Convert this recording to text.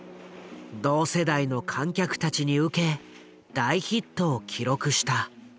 同世代の観客たちに受け大ヒットを記録した。